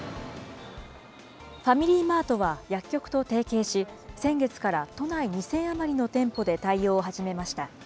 ファミリーマートは薬局と提携し、先月から、都内２０００余りの店舗で対応を始めました。